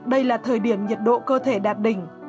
đây là thời điểm nhiệt độ cơ thể đạt đỉnh